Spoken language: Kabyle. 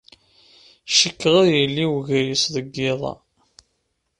Cikkeɣ ad yili wegris deg yiḍ-a.